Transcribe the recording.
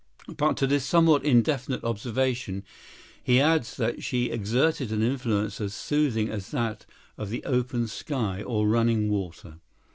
But to this somewhat indefinite observation he adds that she exerted an influence as soothing as that of the open sky, or running water.